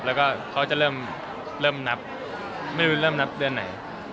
เล่นก่อนจะเริ่มนับไม่รู้จะเริ่มนับเตือนไหน